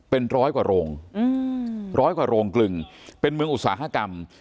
เป็นร้อยกว่าโรงร้อยกว่าโรงกลึงเป็นเมืองอุตสาหกรรม